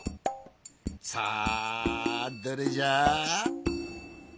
さあどれじゃ？